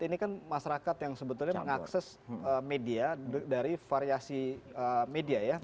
ini kan masyarakat yang sebetulnya mengakses media dari variasi media ya